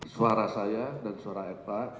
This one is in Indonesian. suara saya dan suara eva